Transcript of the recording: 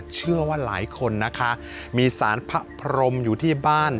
เชื่อว่าหลายคนนะคะมีสารพระพรมอยู่ที่บ้าน